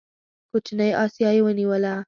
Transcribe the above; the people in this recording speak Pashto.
کوچنۍ اسیا یې ونیوله.